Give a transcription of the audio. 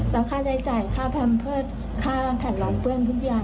แล้วค่าใช้จ่ายค่าแพมเพื่อค่าผลัดร้องเปื้อนทุกอย่าง